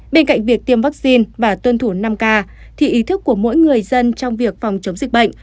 bên cạnh việc tiêm vaccine và tuân thủ năm k thì ý thức của mỗi người dân trong việc phòng chống dịch bệnh